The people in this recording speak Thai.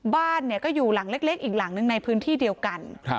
บ้านก็อยู่หลังเล็กอีกหลังหนึ่งในพื้นที่เดียวกัน